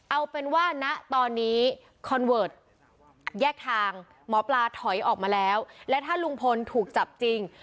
เอาเป็นว่าณตอนนี้คอนเวิร์ตแยกทางหมอปลาถอยออกมาแล้วและถ้าลุงพลถูกจับจริง